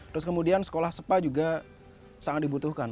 terus kemudian sekolah spa juga sangat dibutuhkan